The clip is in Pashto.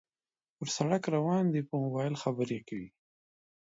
پر سړک روان دى په موبایل خبرې کوي